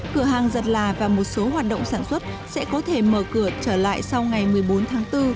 cửa hàng giật là một số hoạt động sản xuất sẽ có thể mở cửa trở lại sau ngày một mươi bốn tháng bốn